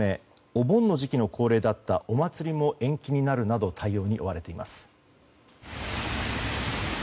お盆の時期の恒例だったお祭りも延期になるなど対応に追われています。